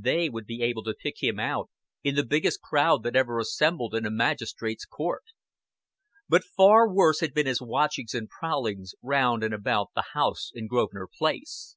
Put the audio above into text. They would be able to pick him out in the biggest crowd that ever assembled in a magistrate's court. But far worse had been his watchings and prowlings round and about the house in Grosvenor Place.